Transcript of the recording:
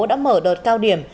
đã mở đợt cao điểm